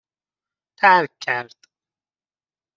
ترک کرد